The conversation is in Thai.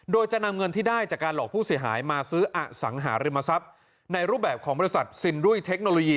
โดยจะนำเงินที่ได้จากการหลอกผู้เสียหายมาซื้ออสังหาริมทรัพย์ในรูปแบบของบริษัทซินรุยเทคโนโลยี